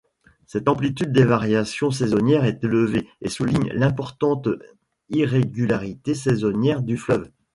Cette amplitude des variations saisonnières est élevée et souligne l'importante irrégularité saisonnière du fleuve.